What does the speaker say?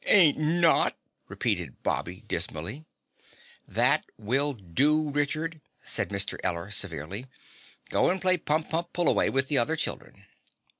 "Ain't not," repeated Bobby dismally. "That will do, Richard," said Mr. Eller severely. "Go and play pump pump pull away with the other children."